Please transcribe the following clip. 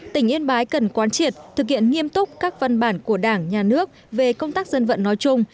tỉnh yên bái cần quan triệt thực hiện nghiêm túc các văn bản của đảng nhà nước về công tác dân vận nói chung